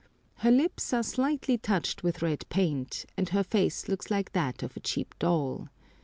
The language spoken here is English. Her lips are slightly touched with red paint, and her face looks like that of a cheap doll.